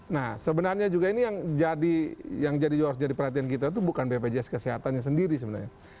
nah sebenarnya juga ini yang harus jadi perhatian kita itu bukan bpjs kesehatannya sendiri sebenarnya